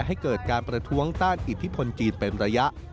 ให้เกิดการประท้วงต้านอิทธิพลจีนเป็นระยะ